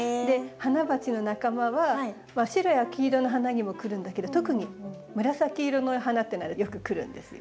ハナバチの仲間は白や黄色の花にも来るんだけど特に紫色の花っていうのはよく来るんですよ。